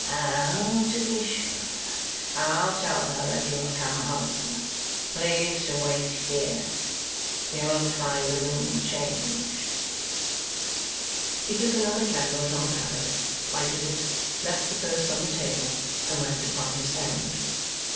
Oh, to be sure! I'll tell her that you have come home. Please to wait here. You won't find the room changed.' He took another candle from a cupboard, lighted it, left the first on the table, and went upon his errand.